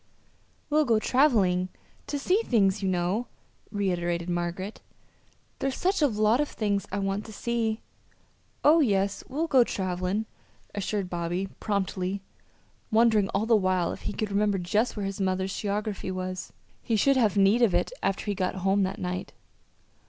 "We'll go traveling to see things, you know," reiterated Margaret. "There's such a lot of things I want to see." "Oh, yes, we'll go travelin'," assured Bobby, promptly, wondering all the while if he could remember just where his mother's geography was. He should have need of it after he got home that night.